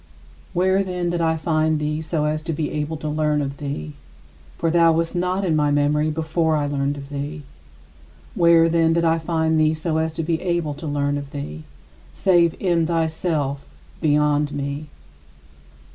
Where, then, did I find thee so as to be able to learn of thee? For thou wast not in my memory before I learned of thee. Where, then, did I find thee so as to be able to learn of thee save in thyself beyond me.